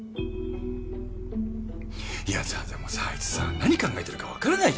いやだってさもうさあいつさ何考えてるかわからないじゃない？